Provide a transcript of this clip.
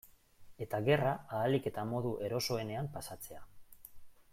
Eta gerra ahalik eta modu erosoenean pasatzea.